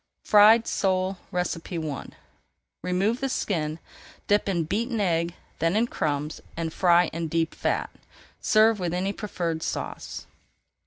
FRIED SOLE I Remove the skin, dip in beaten egg, then in crumbs, and fry in deep fat. Serve with any preferred sauce.